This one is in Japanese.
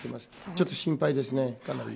ちょっと心配ですね、かなり。